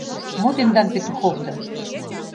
Мо тендан Петуховда?